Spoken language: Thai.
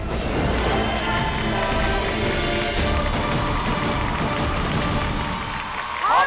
ทอคทูลดาว